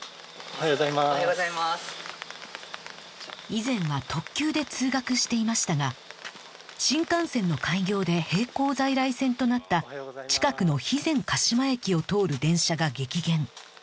以前は特急で通学していましたが新幹線の開業で並行在来線となった近くの肥前鹿島駅を通る電車が激減